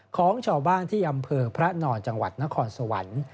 ของชาวบ้านที่อำเภอพระนอนจังหวัดนครสวรรค์